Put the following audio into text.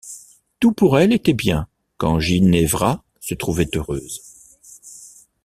Tout pour elle était bien quand Ginevra se trouvait heureuse.